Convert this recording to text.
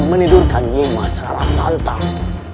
menidurkan nyimah secara santang